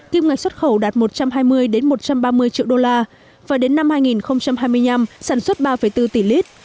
kim ngạch xuất khẩu đạt một trăm hai mươi một trăm ba mươi triệu đô la và đến năm hai nghìn hai mươi năm sản xuất ba bốn tỷ lít